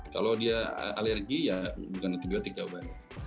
kalau dia alergi ya bukan antibiotik jawabannya